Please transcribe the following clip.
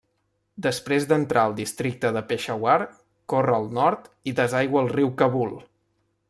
Després d'entrar al districte de Peshawar corre al nord i desaigua al riu Kabul.